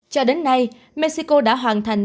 cho đến nay mexico đã hoàn thành